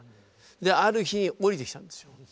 ある日降りてきたんですよ